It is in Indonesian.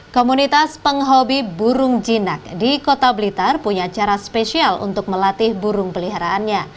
komunitas penghobi burung jinak di kota blitar punya cara spesial untuk melatih burung peliharaannya